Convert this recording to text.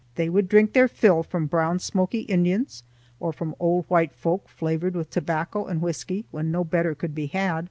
They would drink their fill from brown, smoky Indians, or from old white folk flavored with tobacco and whiskey, when no better could be had.